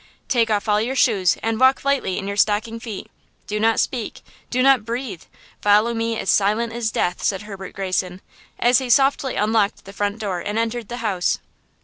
"Take off all your shoes and walk lightly in your stocking feet–do not speak–do not breathe–follow me as silent as death," said Herbert Greyson, as he softly unlocked the front door and entered the house.